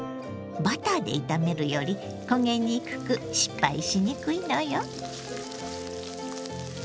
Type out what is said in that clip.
バターで炒めるより焦げにくく失敗しにくいのよ。